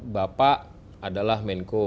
bapak adalah menko